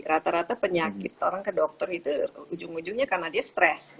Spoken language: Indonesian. rata rata penyakit orang ke dokter itu ujung ujungnya karena dia stres